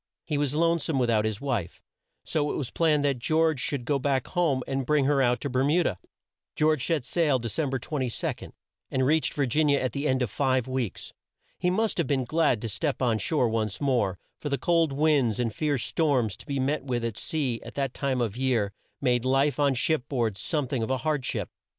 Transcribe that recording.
He was lone some with out his wife, so it was planned that George should go back home and bring her out to Ber mu da. George set sail, De cem ber 22, and reached Vir gin i a at the end of five weeks. He must have been glad to step on shore once more, for the cold winds and fierce storms to be met with at sea, at that time of the year, made life on ship board some thing of a hard ship.